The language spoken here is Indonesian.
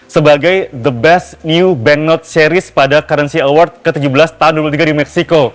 sebagai the best new band not series pada currency award ke tujuh belas tahun dua ribu tiga di meksiko